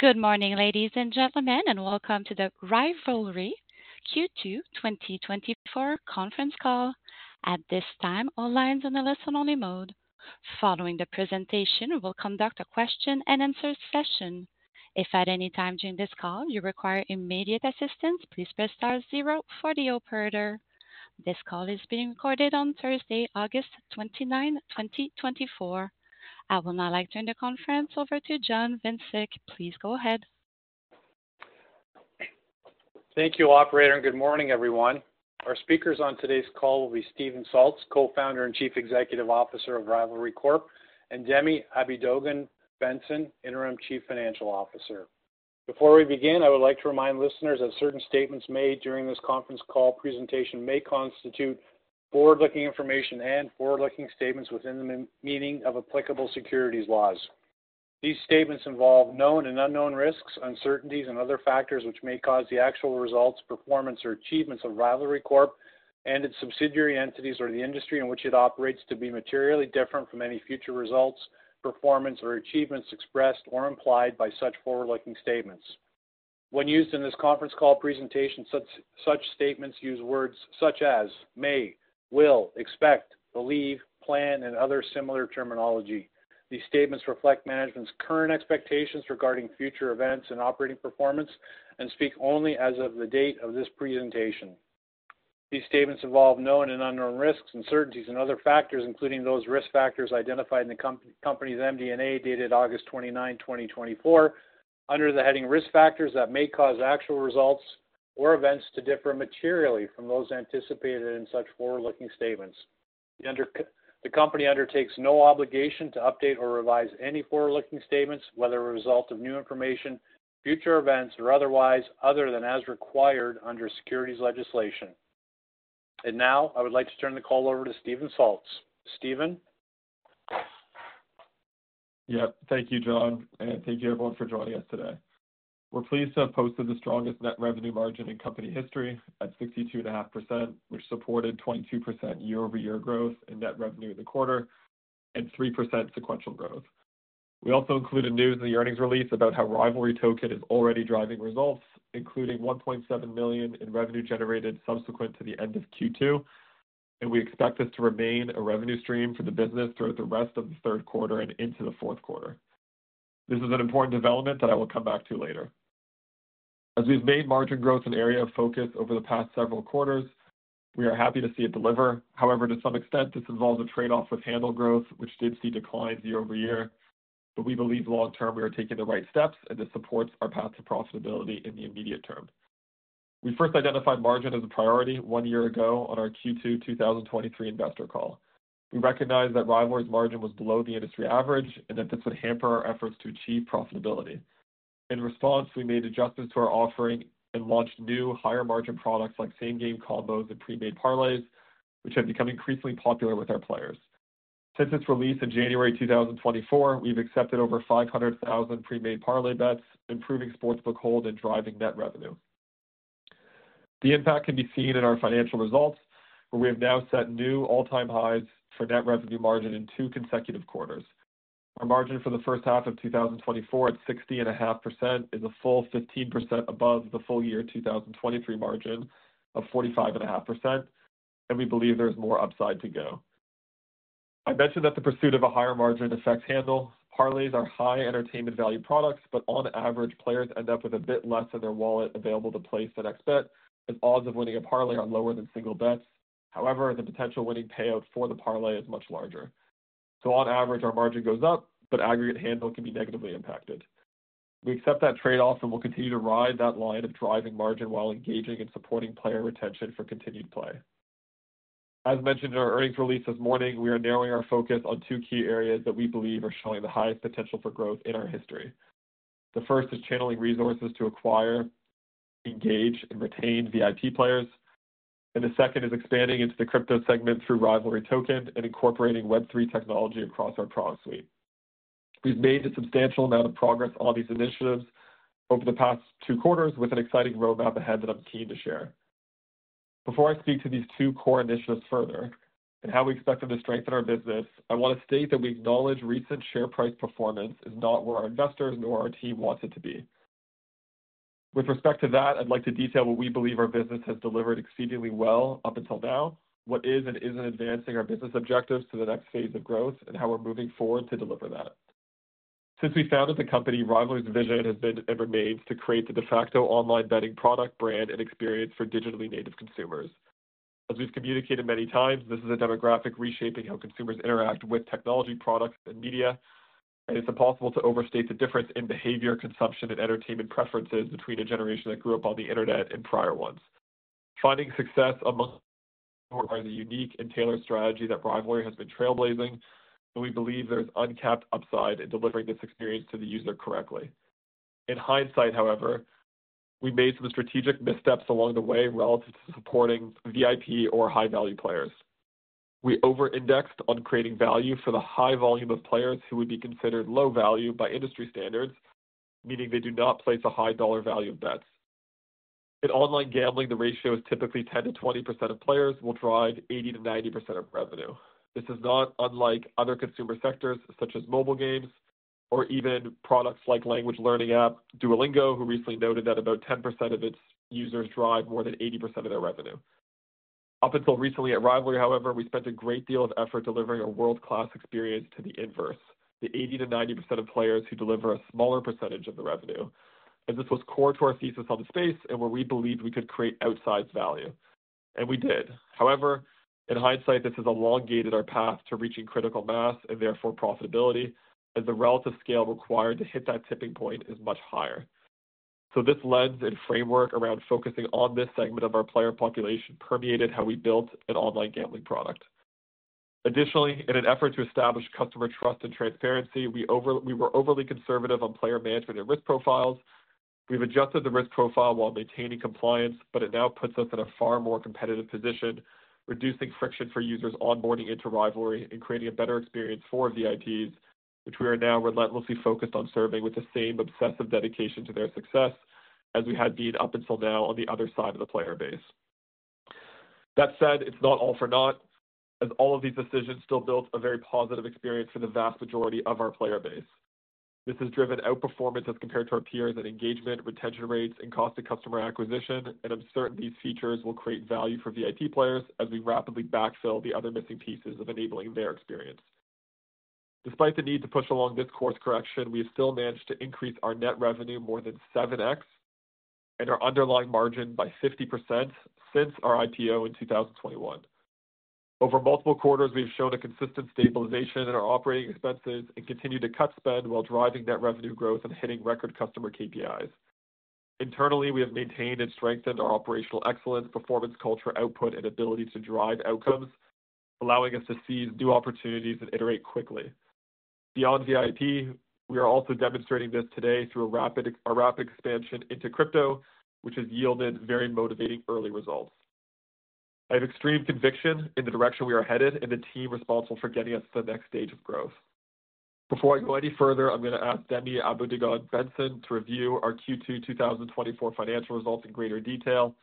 Good morning, ladies and gentlemen, and welcome to the Rivalry Q2 2024 conference call. At this time, all lines on the listen-only mode. Following the presentation, we'll conduct a question and answer session. If at any time during this call you require immediate assistance, please press star zero for the operator. This call is being recorded on Thursday, August 29, twenty twenty-four. I will now like to turn the conference over to John Vincic. Please go ahead. Thank you, operator, and good morning, everyone. Our speakers on today's call will be Steven Salz, Co-Founder and Chief Executive Officer of Rivalry Corp, and Demi Abidogun-Benson, Interim Chief Financial Officer. Before we begin, I would like to remind listeners that certain statements made during this conference call presentation may constitute forward-looking information and forward-looking statements within the meaning of applicable securities laws. These statements involve known and unknown risks, uncertainties, and other factors which may cause the actual results, performance, or achievements of Rivalry Corp and its subsidiary entities or the industry in which it operates, to be materially different from any future results, performance, or achievements expressed or implied by such forward-looking statements. When used in this conference call presentation, such statements use words such as may, will, expect, believe, plan, and other similar terminology. These statements reflect management's current expectations regarding future events and operating performance and speak only as of the date of this presentation. These statements involve known and unknown risks, uncertainties, and other factors, including those risk factors identified in the company's MD&A, dated August 29, 2024, under the heading Risk Factors that may cause actual results or events to differ materially from those anticipated in such forward-looking statements. The company undertakes no obligation to update or revise any forward-looking statements, whether a result of new information, future events, or otherwise, other than as required under securities legislation. And now, I would like to turn the call over to Steven Salz. Steven? Yep. Thank you, John, and thank you, everyone, for joining us today. We're pleased to have posted the strongest net revenue margin in company history at 62.5%, which supported 22% year-over-year growth in net revenue in the quarter and 3% sequential growth. We also included news in the earnings release about how Rivalry Token is already driving results, including 1.7 million in revenue generated subsequent to the end of Q2, and we expect this to remain a revenue stream for the business throughout the rest of the third quarter and into the fourth quarter. This is an important development that I will come back to later. As we've made margin growth an area of focus over the past several quarters, we are happy to see it deliver. However, to some extent, this involves a trade-off with handle growth, which did see declines year-over-year, but we believe long term we are taking the right steps, and this supports our path to profitability in the immediate term. We first identified margin as a priority one year ago on our Q2, 2023 investor call. We recognized that Rivalry's margin was below the industry average and that this would hamper our efforts to achieve profitability. In response, we made adjustments to our offering and launched new higher-margin products like Same Game combos and pre-made parlays, which have become increasingly popular with our players. Since its release in January 2024, we've accepted over 500,000 pre-made parlay bets, improving sportsbook hold and driving net revenue. The impact can be seen in our financial results, where we have now set new all-time highs for net revenue margin in two consecutive quarters. Our margin for the first half of 2024 at 60.5% is a full 15% above the full year 2023 margin of 45.5%, and we believe there's more upside to go. I mentioned that the pursuit of a higher margin affects handle. Parlays are high entertainment value products, but on average, players end up with a bit less of their wallet available to place the next bet, as odds of winning a parlay are lower than single bets. However, the potential winning payout for the parlay is much larger. So on average, our margin goes up, but aggregate handle can be negatively impacted. We accept that trade-off and will continue to ride that line of driving margin while engaging and supporting player retention for continued play. As mentioned in our earnings release this morning, we are narrowing our focus on two key areas that we believe are showing the highest potential for growth in our history. The first is channeling resources to acquire, engage, and retain VIP players, and the second is expanding into the crypto segment through Rivalry Token and incorporating Web3 technology across our product suite. We've made a substantial amount of progress on these initiatives over the past two quarters with an exciting roadmap ahead that I'm keen to share. Before I speak to these two core initiatives further and how we expect them to strengthen our business, I want to state that we acknowledge recent share price performance is not where our investors nor our team wants it to be. With respect to that, I'd like to detail what we believe our business has delivered exceedingly well up until now, what is and isn't advancing our business objectives to the next phase of growth, and how we're moving forward to deliver that. Since we founded the company, Rivalry's vision has been and remains to create the de facto online betting product, brand, and experience for digitally native consumers. As we've communicated many times, this is a demographic reshaping how consumers interact with technology, products, and media, and it's impossible to overstate the difference in behavior, consumption, and entertainment preferences between a generation that grew up on the Internet and prior ones. Finding success among them requires a unique and tailored strategy that Rivalry has been trailblazing, and we believe there is uncapped upside in delivering this experience to the user correctly. In hindsight, however, we made some strategic missteps along the way relative to supporting VIP or high-value players. We over-indexed on creating value for the high volume of players who would be considered low value by industry standards, meaning they do not place a high dollar value of bets. In online gambling, the ratio is typically 10%-20% of players will drive 80%-90% of revenue. This is not unlike other consumer sectors, such as mobile games or even products like language learning app Duolingo, who recently noted that about 10% of its users drive more than 80% of their revenue. Up until recently at Rivalry, however, we spent a great deal of effort delivering a world-class experience to the inverse, the 80%-90% of players who deliver a smaller percentage of the revenue, and this was core to our thesis on the space and where we believed we could create outsized value, and we did. However, in hindsight, this has elongated our path to reaching critical mass and therefore profitability, as the relative scale required to hit that tipping point is much higher, so this lens and framework around focusing on this segment of our player population permeated how we built an online gambling product. Additionally, in an effort to establish customer trust and transparency, we were overly conservative on player management and risk profiles. We've adjusted the risk profile while maintaining compliance, but it now puts us in a far more competitive position, reducing friction for users onboarding into Rivalry and creating a better experience for VIPs, which we are now relentlessly focused on serving with the same obsessive dedication to their success as we had been up until now on the other side of the player base. That said, it's not all for naught, as all of these decisions still built a very positive experience for the vast majority of our player base. This has driven outperformance as compared to our peers in engagement, retention rates, and cost to customer acquisition, and I'm certain these features will create value for VIP players as we rapidly backfill the other missing pieces of enabling their experience. Despite the need to push along this course correction, we have still managed to increase our net revenue more than 7x and our underlying margin by 50% since our IPO in 2021. Over multiple quarters, we've shown a consistent stabilization in our operating expenses and continue to cut spend while driving net revenue growth and hitting record customer KPIs. Internally, we have maintained and strengthened our operational excellence, performance, culture, output, and ability to drive outcomes, allowing us to seize new opportunities and iterate quickly. Beyond VIP, we are also demonstrating this today through a rapid expansion into crypto, which has yielded very motivating early results. I have extreme conviction in the direction we are headed and the team responsible for getting us to the next stage of growth. Before I go any further, I'm going to ask Demi Abidogun-Benson to review our Q2 2024 financial results in greater detail.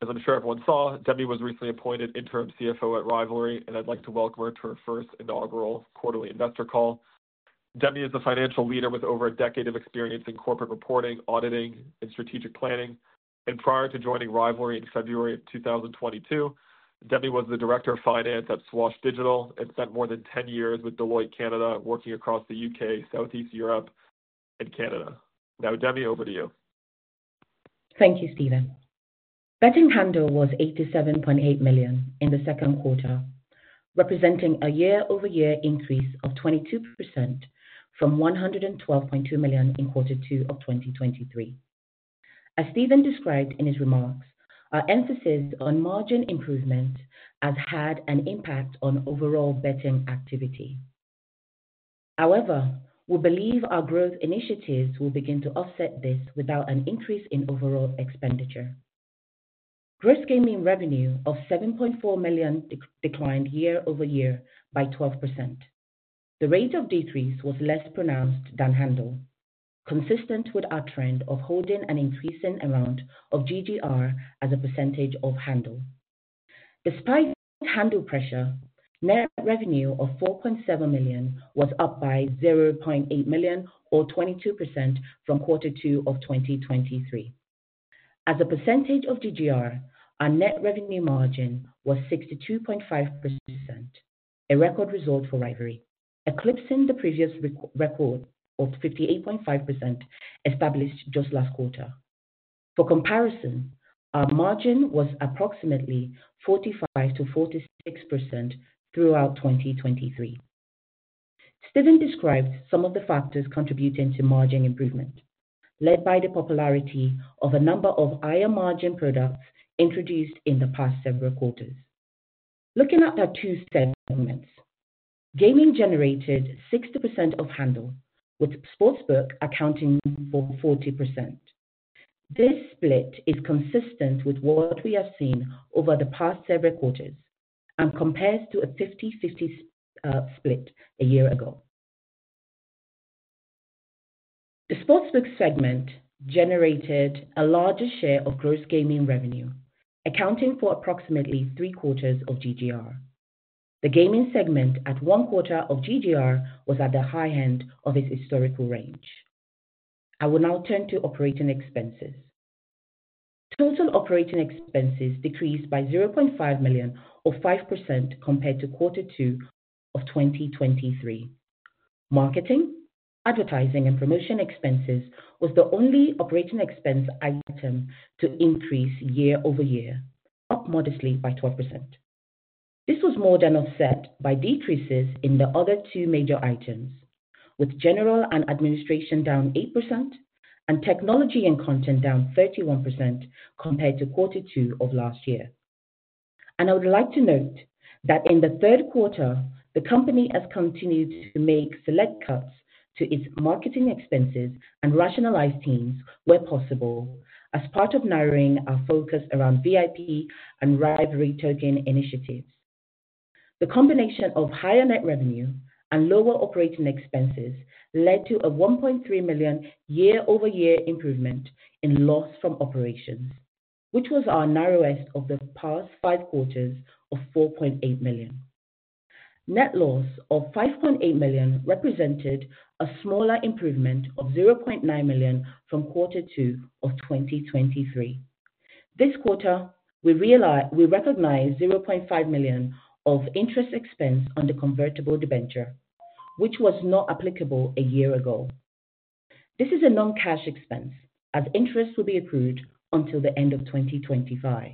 As I'm sure everyone saw, Demi was recently appointed Interim CFO at Rivalry, and I'd like to welcome her to her first inaugural quarterly investor call. Demi is a financial leader with over a decade of experience in corporate reporting, auditing, and strategic planning, and prior to joining Rivalry in February of 2022, Demi was the Director of Finance at Swash Digital and spent more than ten years with Deloitte Canada, working across the U.K., Southeast Europe, and Canada. Now, Demi, over to you. Thank you, Steven. Betting handle was 87.8 million in the second quarter, representing a year-over-year increase of 22% from 112.2 million in quarter two of 2023. As Steven described in his remarks, our emphasis on margin improvement has had an impact on overall betting activity. However, we believe our growth initiatives will begin to offset this without an increase in overall expenditure. Gross gaming revenue of 7.4 million declined year-over-year by 12%. The rate of decrease was less pronounced than handle, consistent with our trend of holding an increasing amount of GGR as a percentage of handle. Despite handle pressure, net revenue of 4.7 million was up by 0.8 million, or 22%, from quarter two of 2023. As a percentage of GGR, our net revenue margin was 62.5%, a record result for Rivalry, eclipsing the previous record of 58.5% established just last quarter. For comparison, our margin was approximately 45%-46% throughout 2023. Steven described some of the factors contributing to margin improvement, led by the popularity of a number of higher-margin products introduced in the past several quarters. Looking at our two segments, gaming generated 60% of handle, with sportsbook accounting for 40%. This split is consistent with what we have seen over the past several quarters and compares to a 50/50 split a year ago. The sportsbook segment generated a larger share of gross gaming revenue, accounting for approximately three-quarters of GGR. The gaming segment, at one quarter of GGR, was at the high end of its historical range. I will now turn to operating expenses. Total operating expenses decreased by 0.5 million, or 5%, compared to quarter two of 2023. Marketing, advertising, and promotion expenses was the only operating expense item to increase year-over-year, up modestly by 12%. This was more than offset by decreases in the other two major items, with general and administrative down 8% and technology and content down 31% compared to quarter two of last year. And I would like to note that in the third quarter, the company has continued to make select cuts to its marketing expenses and rationalize teams where possible as part of narrowing our focus around VIP and Rivalry Token initiatives. The combination of higher net revenue and lower operating expenses led to a 1.3 million year-over-year improvement in loss from operations, which was our narrowest of the past five quarters of 4.8 million. Net loss of 5.8 million represented a smaller improvement of 0.9 million from quarter two of 2023. This quarter, we recognized 0.5 million of interest expense on the convertible debenture, which was not applicable a year ago. This is a non-cash expense, as interest will be accrued until the end of 2025.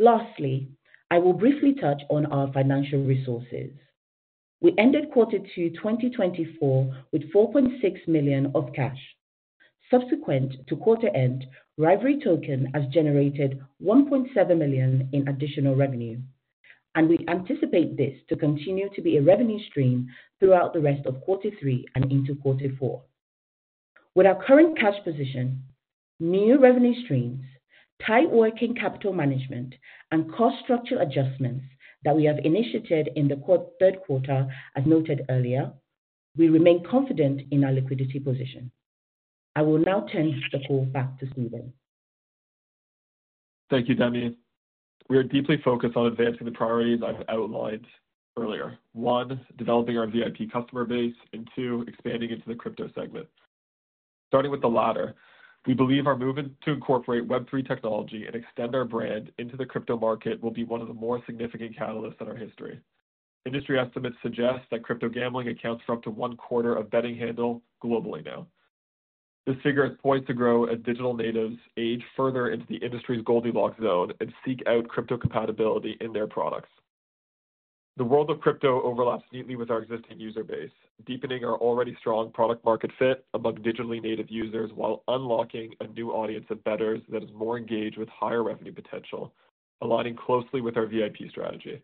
Lastly, I will briefly touch on our financial resources. We ended quarter two 2024 with 4.6 million of cash. Subsequent to quarter end, Rivalry Token has generated 1.7 million in additional revenue, and we anticipate this to continue to be a revenue stream throughout the rest of quarter three and into quarter four. With our current cash position, new revenue streams, tight working capital management, and cost structure adjustments that we have initiated in the third quarter, as noted earlier, we remain confident in our liquidity position. I will now turn the call back to Steven. Thank you, Demi. We are deeply focused on advancing the priorities I've outlined earlier. One, developing our VIP customer base, and two, expanding into the crypto segment. Starting with the latter, we believe our movement to incorporate Web3 technology and extend our brand into the crypto market will be one of the more significant catalysts in our history. Industry estimates suggest that crypto gambling accounts for up to one quarter of betting handle globally now. This figure is poised to grow as digital natives age further into the industry's Goldilocks zone and seek out crypto compatibility in their products. The world of crypto overlaps neatly with our existing user base, deepening our already strong product market fit among digitally native users, while unlocking a new audience of bettors that is more engaged with higher revenue potential, aligning closely with our VIP strategy.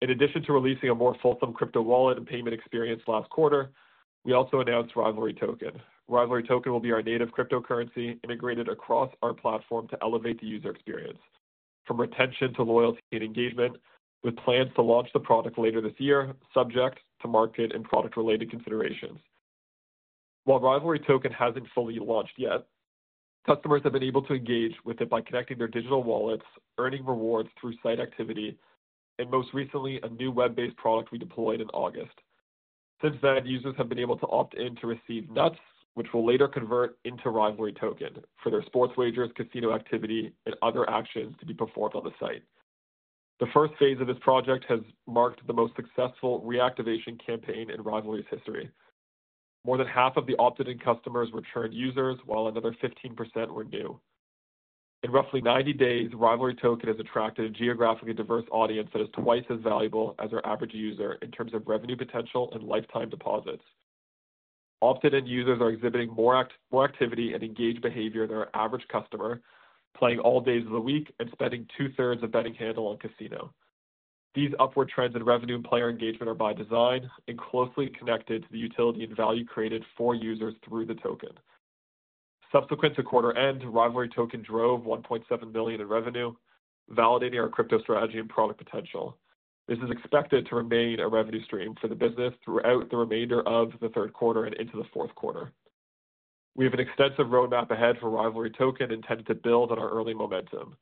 In addition to releasing a more fulsome crypto wallet and payment experience last quarter, we also announced Rivalry Token. Rivalry Token will be our native cryptocurrency, integrated across our platform to elevate the user experience, from retention to loyalty and engagement, with plans to launch the product later this year, subject to market and product-related considerations. While Rivalry Token hasn't fully launched yet, customers have been able to engage with it by connecting their digital wallets, earning rewards through site activity, and most recently, a new web-based product we deployed in August. Since then, users have been able to opt in to receive NUTZ, which will later convert into Rivalry Token for their sports wagers, casino activity, and other actions to be performed on the site. The first phase of this project has marked the most successful reactivation campaign in Rivalry's history. More than half of the opted-in customers were churned users, while another 15% were new. In roughly 90 days, Rivalry Token has attracted a geographically diverse audience that is twice as valuable as our average user in terms of revenue potential and lifetime deposits. Opted-in users are exhibiting more activity and engaged behavior than our average customer, playing all days of the week and spending 2/3 of betting handle on casino. These upward trends in revenue and player engagement are by design and closely connected to the utility and value created for users through the token. Subsequent to quarter end, Rivalry Token drove 1.7 million in revenue, validating our crypto strategy and product potential. This is expected to remain a revenue stream for the business throughout the remainder of the third quarter and into the fourth quarter. We have an extensive roadmap ahead for Rivalry Token and intend to build on our early momentum.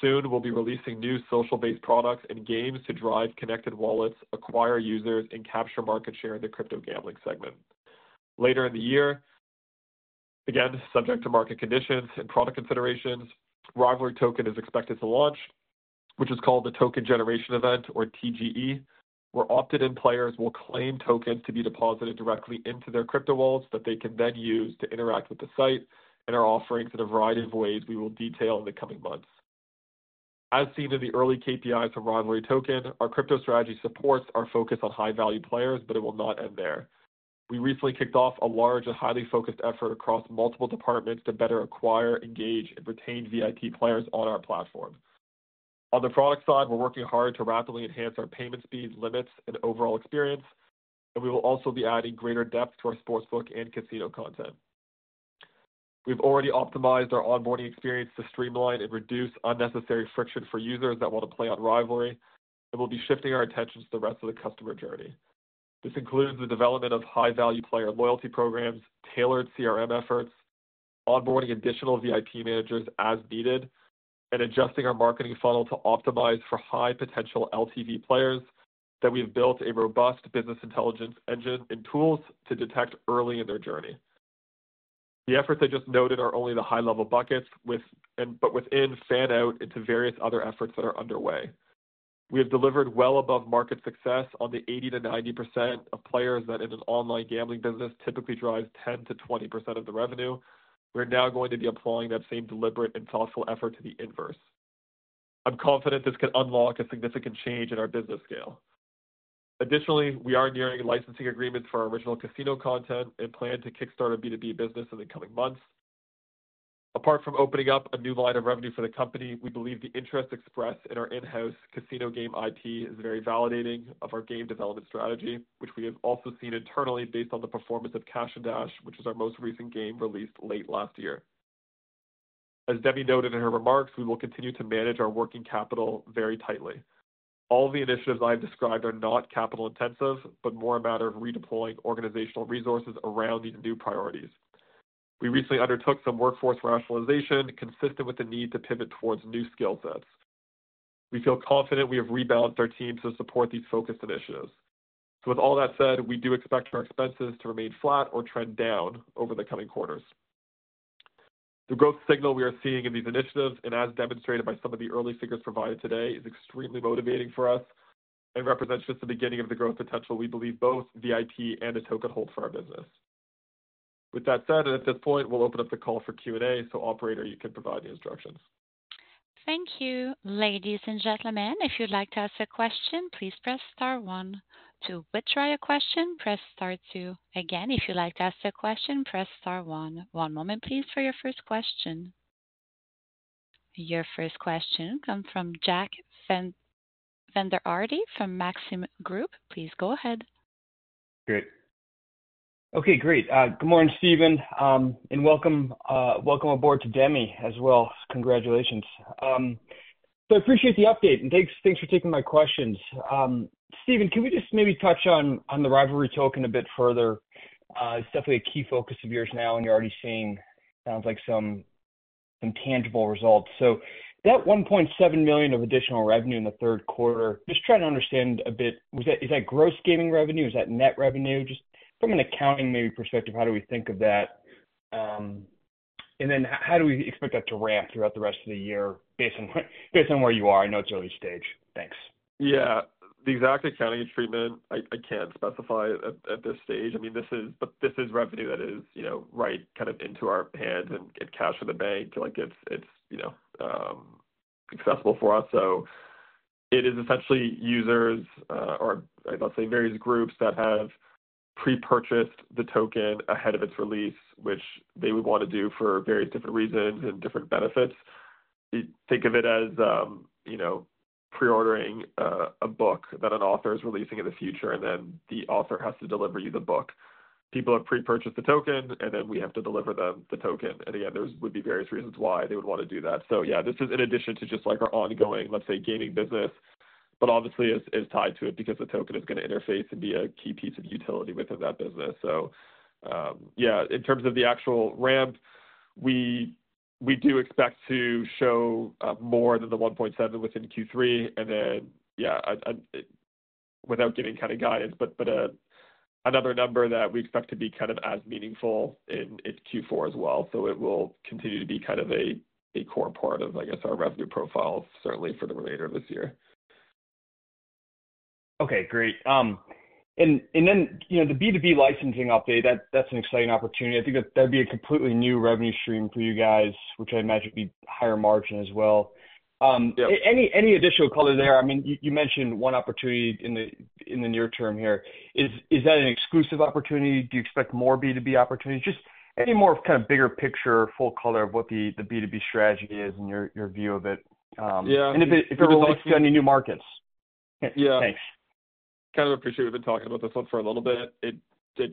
Soon, we'll be releasing new social-based products and games to drive connected wallets, acquire users, and capture market share in the crypto gambling segment. Later in the year, again, subject to market conditions and product considerations, Rivalry Token is expected to launch, which is called the Token Generation Event, or TGE, where opted-in players will claim tokens to be deposited directly into their crypto wallets that they can then use to interact with the site and our offerings in a variety of ways we will detail in the coming months. As seen in the early KPIs for Rivalry Token, our crypto strategy supports our focus on high-value players, but it will not end there. We recently kicked off a large and highly focused effort across multiple departments to better acquire, engage, and retain VIP players on our platform. On the product side, we're working hard to rapidly enhance our payment speeds, limits, and overall experience, and we will also be adding greater depth to our sports book and casino content. We've already optimized our onboarding experience to streamline and reduce unnecessary friction for users that want to play on Rivalry, and we'll be shifting our attention to the rest of the customer journey. This includes the development of high-value player loyalty programs, tailored CRM efforts, onboarding additional VIP managers as needed, and adjusting our marketing funnel to optimize for high-potential LTV players that we've built a robust business intelligence engine and tools to detect early in their journey. The efforts I just noted are only the high-level buckets, which fan out into various other efforts that are underway. We have delivered well above market success on the 80%-90% of players that, in an online gambling business, typically drives 10%-20% of the revenue. We're now going to be applying that same deliberate and thoughtful effort to the inverse. I'm confident this can unlock a significant change in our business scale. Additionally, we are nearing licensing agreements for our original casino content and plan to kickstart our B2B business in the coming months. Apart from opening up a new line of revenue for the company, we believe the interest expressed in our in-house casino game IP is very validating of our game development strategy, which we have also seen internally based on the performance of Cash & Dash, which is our most recent game, released late last year. As Demi noted in her remarks, we will continue to manage our working capital very tightly. All the initiatives I've described are not capital intensive, but more a matter of redeploying organizational resources around these new priorities. We recently undertook some workforce rationalization, consistent with the need to pivot towards new skill sets. We feel confident we have rebalanced our teams to support these focused initiatives. So with all that said, we do expect our expenses to remain flat or trend down over the coming quarters. The growth signal we are seeing in these initiatives, and as demonstrated by some of the early figures provided today, is extremely motivating for us and represents just the beginning of the growth potential we believe both VIP and the token hold for our business. With that said, and at this point, we'll open up the call for Q&A. So operator, you can provide the instructions. Thank you. Ladies and gentlemen, if you'd like to ask a question, please press star one. To withdraw your question, press star two. Again, if you'd like to ask a question, press star one. One moment, please, for your first question. Your first question comes from Jack Vander Aarde from Maxim Group. Please go ahead. Great. Okay, great. Good morning, Steven, and welcome aboard to Demi as well. Congratulations. So I appreciate the update, and thanks, thanks for taking my questions. Steven, can we just maybe touch on the Rivalry Token a bit further? It's definitely a key focus of yours now, and you're already seeing sounds like some tangible results. So that 1.7 million of additional revenue in the third quarter, just trying to understand a bit, was that? Is that gross gaming revenue? Is that net revenue? Just from an accounting maybe perspective, how do we think of that? And then how do we expect that to ramp throughout the rest of the year, based on where you are? I know it's early stage. Thanks. Yeah. The exact accounting treatment, I can't specify at this stage. I mean, this is... but this is revenue that is, you know, right kind of into our hands and cash in the bank. Like, it's, you know, accessible for us. So it is essentially users, or let's say, various groups that have pre-purchased the token ahead of its release, which they would want to do for various different reasons and different benefits. You think of it as, you know, pre-ordering, a book that an author is releasing in the future, and then the author has to deliver you the book. People have pre-purchased the token, and then we have to deliver them the token, and again, there would be various reasons why they would want to do that. Yeah, this is in addition to just like our ongoing, let's say, gaming business, but obviously is tied to it because the token is going to interface and be a key piece of utility within that business. So, yeah, in terms of the actual ramp, we do expect to show more than the $1.7 million within Q3, and then, yeah, without giving kind of guidance, but another number that we expect to be kind of as meaningful in Q4 as well. So it will continue to be kind of a core part of, I guess, our revenue profile, certainly for the remainder of this year. Okay, great, and then, you know, the B2B licensing update, that's an exciting opportunity. I think that'd be a completely new revenue stream for you guys, which I'd imagine be higher margin as well. Yeah. Any additional color there? I mean, you mentioned one opportunity in the near term here. Is that an exclusive opportunity? Do you expect more B2B opportunities? Just any more kind of bigger picture, full color of what the B2B strategy is and your view of it? Yeah. If it relates to any new markets? Yeah. Thanks. Kind of appreciate we've been talking about this one for a little bit. It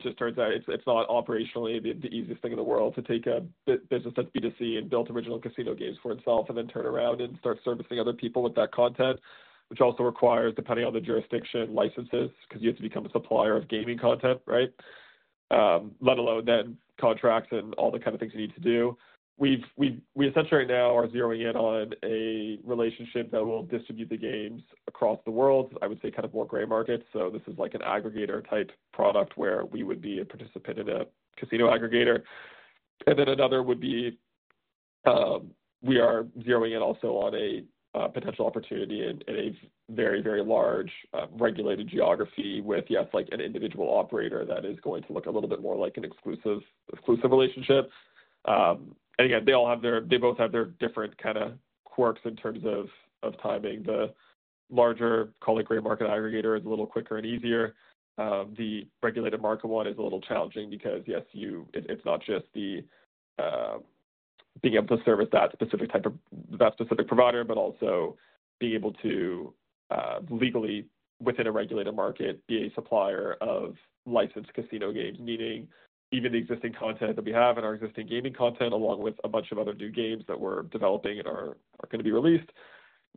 just turns out it's not operationally the easiest thing in the world to take a business that's B2C and built original casino games for itself, and then turn around and start servicing other people with that content, which also requires, depending on the jurisdiction, licenses, because you have to become a supplier of gaming content, right? Let alone then contracts and all the kind of things you need to do. We essentially right now are zeroing in on a relationship that will distribute the games across the world, I would say kind of more gray markets. So this is like an aggregator-type product where we would be a participant in a casino aggregator. And then another would be we are zeroing in also on a potential opportunity in a very, very large regulated geography with, yes, like an individual operator that is going to look a little bit more like an exclusive relationship. And again, they both have their different kind of quirks in terms of timing. The larger, call it gray market aggregator, is a little quicker and easier. The regulated market one is a little challenging because, yes, it’s not just the being able to service that specific provider, but also being able to legally, within a regulated market, be a supplier of licensed casino games. Meaning even the existing content that we have and our existing gaming content, along with a bunch of other new games that we're developing and are going to be released,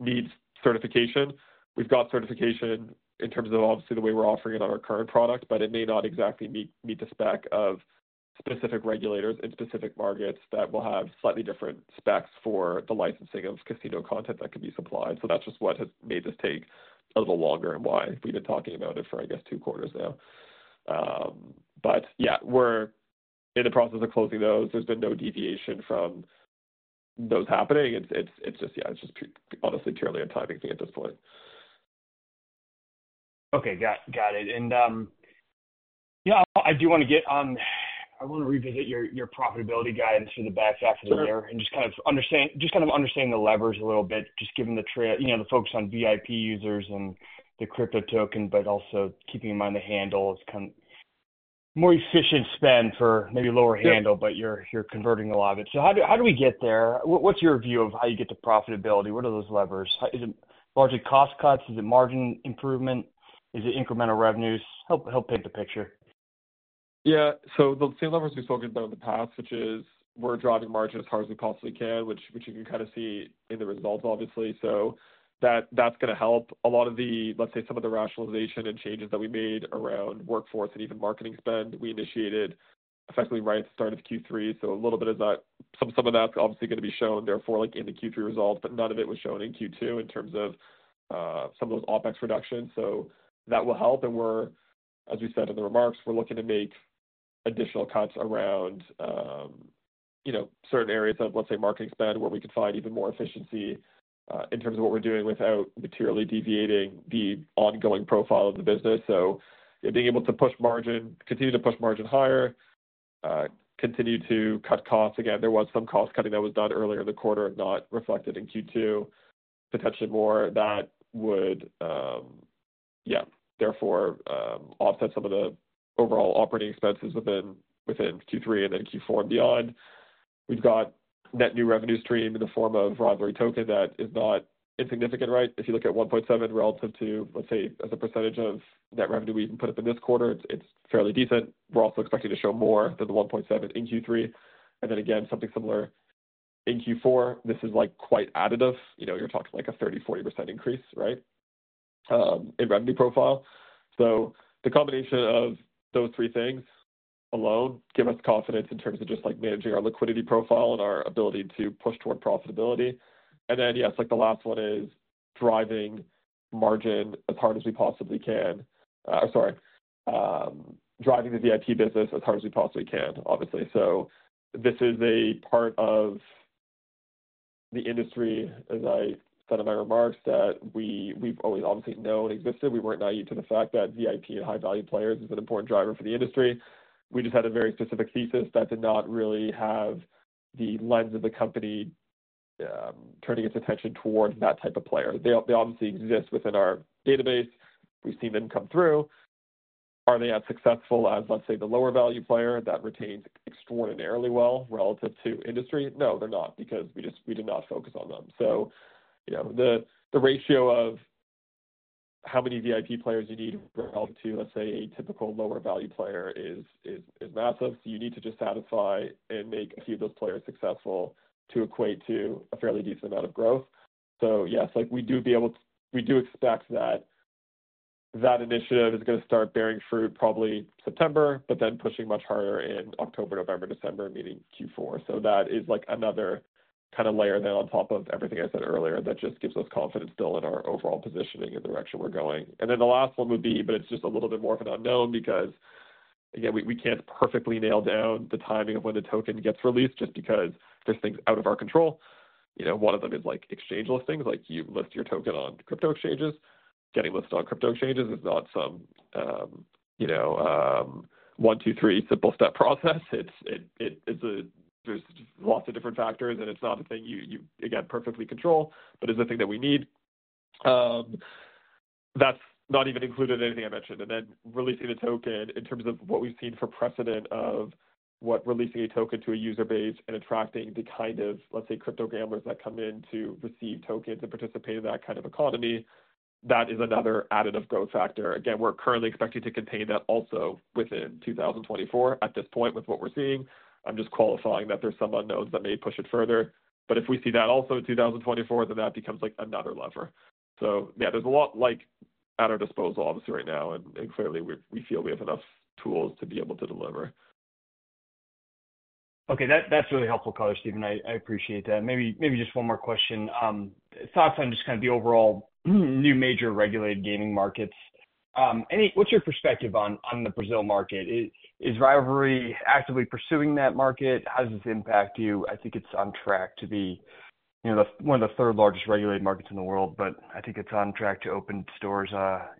needs certification. We've got certification in terms of obviously the way we're offering it on our current product, but it may not exactly meet the spec of specific regulators in specific markets that will have slightly different specs for the licensing of casino content that can be supplied. So that's just what has made this take a little longer and why we've been talking about it for, I guess, two quarters now. But yeah, we're in the process of closing those. There's been no deviation from those happening. It's just yeah, it's just honestly purely a timing thing at this point. Okay. Got it. And, yeah, I do want to get on. I want to revisit your profitability guidance for the back half of the year. Sure. And just kind of understand the levers a little bit, just given you know, the focus on VIP users and the crypto token, but also keeping in mind the handle. It's come more efficient spend for maybe lower handle. Yeah. But you're converting a lot of it. So how do we get there? What's your view of how you get to profitability? What are those levers? Is it largely cost cuts? Is it margin improvement? Is it incremental revenues? Help paint the picture. Yeah, so the same levers we've spoken about in the past, which is we're driving margin as hard as we possibly can, which you can kind of see in the results, obviously. So that, that's gonna help a lot of the, let's say, some of the rationalization and changes that we made around workforce and even marketing spend, we initiated effectively right at the start of Q3. So a little bit of that, some of that's obviously gonna be shown therefore, like in the Q3 results, but none of it was shown in Q2 in terms of, some of those OpEx reductions. So that will help. And we're, as we said in the remarks, we're looking to make additional cuts around, you know, certain areas of, let's say, marketing spend, where we could find even more efficiency in terms of what we're doing without materially deviating the ongoing profile of the business. So being able to push margin, continue to push margin higher, continue to cut costs. Again, there was some cost cutting that was done earlier in the quarter and not reflected in Q2. Potentially more that would therefore offset some of the overall operating expenses within Q3 and then Q4 and beyond. We've got net new revenue stream in the form of Rivalry Token. That is not insignificant, right? If you look at $1.7 million relative to, let's say, as a percentage of net revenue we even put up in this quarter, it's fairly decent. We're also expecting to show more than the $1.7 million in Q3, and then again, something similar in Q4. This is, like, quite additive. You know, you're talking like a 30%-40% increase, right, in revenue profile. So the combination of those three things alone give us confidence in terms of just like managing our liquidity profile and our ability to push toward profitability. And then, yes, like the last one is driving margin as hard as we possibly can. Sorry, driving the VIP business as hard as we possibly can, obviously. So this is a part of the industry, as I said in my remarks, that we, we've always obviously known existed. We weren't naive to the fact that VIP and high-value players is an important driver for the industry. We just had a very specific thesis that did not really have the lens of the company turning its attention towards that type of player. They, they obviously exist within our database. We've seen them come through. Are they as successful as, let's say, the lower-value player that retains extraordinarily well relative to industry? No, they're not, because we just we did not focus on them. So, you know, the ratio of how many VIP players you need relative to, let's say, a typical lower-value player is massive. So you need to just satisfy and make a few of those players successful to equate to a fairly decent amount of growth. So yes, we do expect that initiative is gonna start bearing fruit probably September, but then pushing much harder in October, November, December, meaning Q4. So that is like another kind of layer then on top of everything I said earlier, that just gives us confidence still in our overall positioning and the direction we're going. And then the last one would be, but it's just a little bit more of an unknown, because, again, we can't perfectly nail down the timing of when the token gets released just because there's things out of our control. You know, one of them is, like, exchange listings. Like, you list your token on crypto exchanges. Getting listed on crypto exchanges is not some, you know, one, two, three, simple step process. It's a. There's lots of different factors, and it's not a thing you again perfectly control, but is a thing that we need. That's not even included anything I mentioned. And then, releasing the token in terms of what we've seen for precedent of what releasing a token to a user base and attracting the kind of, let's say, crypto gamblers that come in to receive tokens and participate in that kind of economy, that is another additive growth factor. Again, we're currently expecting to contain that also within 2024. At this point, with what we're seeing, I'm just qualifying that there's some unknowns that may push it further, but if we see that also in 2024, then that becomes like another lever. So yeah, there's a lot, like, at our disposal obviously, right now, and clearly, we feel we have enough tools to be able to deliver. Okay, that's really helpful color, Steven. I appreciate that. Maybe just one more question. Thoughts on just kind of the overall new major regulated gaming markets. Any, what's your perspective on the Brazil market? Is Rivalry actively pursuing that market? How does this impact you? I think it's on track to be, you know, one of the third largest regulated markets in the world, but I think it's on track to open sports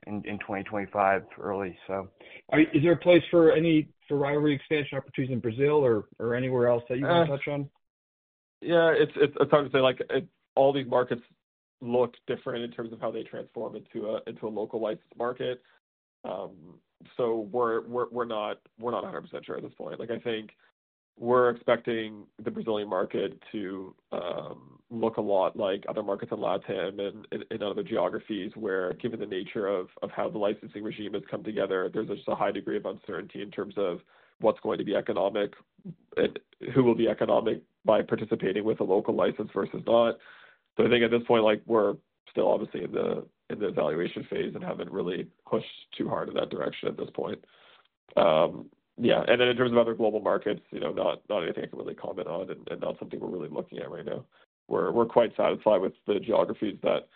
in 2025 early. So is there a place for Rivalry expansion opportunities in Brazil or anywhere else that you want to touch on? Yeah, it's hard to say. Like, all these markets look different in terms of how they transform into a local licensed market. So we're not 100% sure at this point. Like, I think we're expecting the Brazilian market to look a lot like other markets in LatAm and in other geographies, where, given the nature of how the licensing regime has come together, there's just a high degree of uncertainty in terms of what's going to be economic and who will be economic by participating with a local license versus not. So I think at this point, like, we're still obviously in the evaluation phase and haven't really pushed too hard in that direction at this point. Yeah, and then in terms of other global markets, you know, not anything I can really comment on and not something we're really looking at right now. We're quite satisfied with the geographies that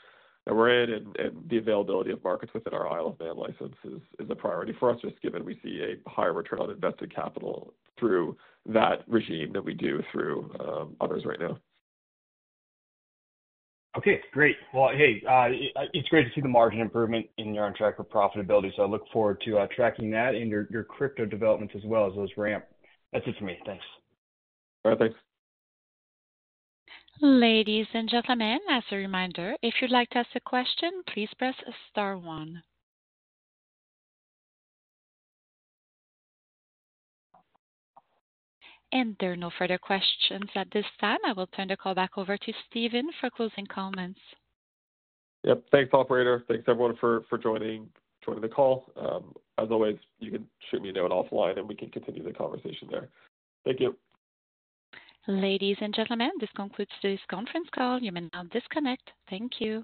we're in, and the availability of markets within our Isle of Man license is a priority for us, just given we see a higher return on invested capital through that regime than we do through others right now. Okay, great. Well, hey, it's great to see the margin improvement, and you're on track for profitability. So I look forward to tracking that and your, your crypto developments as well as those ramp. That's it for me. Thanks. All right. Thanks. Ladies and gentlemen, as a reminder, if you'd like to ask a question, please press star one. And there are no further questions at this time. I will turn the call back over to Steven for closing comments. Yep. Thanks, operator. Thanks, everyone, for joining the call. As always, you can shoot me a note offline, and we can continue the conversation there. Thank you. Ladies and gentlemen, this concludes today's conference call. You may now disconnect. Thank you.